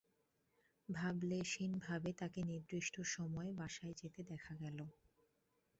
ভাবলেশহীনভাবে তাঁকে নির্দিষ্ট সময়ে বাসায় যেতে দেখা গেল।